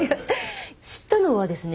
知ったのはですね